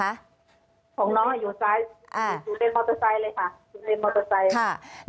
อันดับที่สุดท้าย